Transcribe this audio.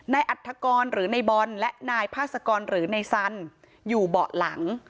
ในอัตภกรหรือในบอลนั่งด้านหลังคนขับและในพาสกรหรือในสันอยู่เบาะหลัง